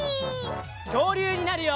きょうりゅうになるよ！